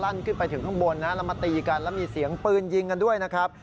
ขึ้นไปถึงข้างบนนะแล้วมาตีกันแล้วมีเสียงปืนยิงกันด้วยนะครับ